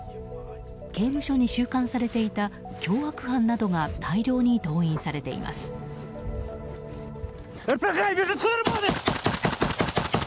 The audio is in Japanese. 刑務所に収監されていた凶悪犯などが大量に動員されています。